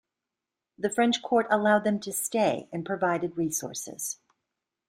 The French court allowed them to stay and provided resources.